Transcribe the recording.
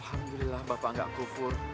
alhamdulillah bapak nggak kufur